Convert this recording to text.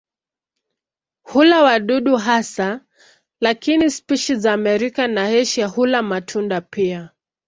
Hula wadudu hasa lakini spishi za Amerika na Asia hula matunda pia.